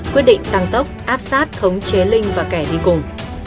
quyết định tăng tốc áp sát khống chế linh và kẻ đi cùng